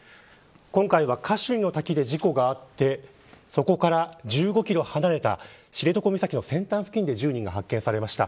今回はカシュニの滝で事故があってそこから１５キロ離れた知床岬の先端付近で１０人が発見されました。